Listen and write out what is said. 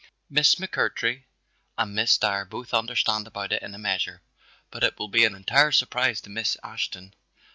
"Miss McMurtry and Miss Dyer both understand about it in a measure, but it will be an entire surprise to Miss Ashton."